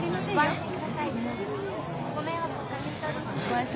ご迷惑をお掛けしております。